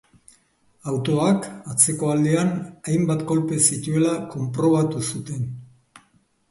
Autoak, atzeko aldean, hainbat kolpe zituela konprobatu zuten.